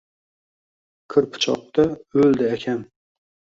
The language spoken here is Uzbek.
— Qirpichokda o’ldi akam